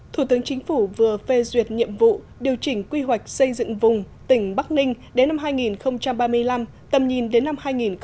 thủ tướng chính phủ vừa phê duyệt nhiệm vụ điều chỉnh quy hoạch xây dựng vùng tỉnh bắc ninh đến năm hai nghìn ba mươi năm tầm nhìn đến năm hai nghìn năm mươi